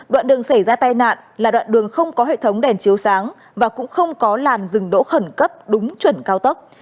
đoạn đường xảy ra tai nạn là đoạn đường không có hệ thống đèn chiếu sáng và cũng không có làn dừng đỗ khẩn cấp đúng chuẩn cao tốc